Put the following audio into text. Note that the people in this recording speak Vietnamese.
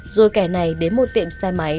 rồi kẻ này đến một tiệm xe máy